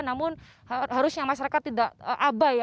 namun harusnya masyarakat tidak abai ya